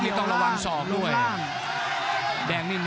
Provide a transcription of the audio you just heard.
ภูตวรรณสิทธิ์บุญมีน้ำเงิน